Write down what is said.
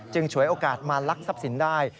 ฉวยโอกาสมาลักทรัพย์สินได้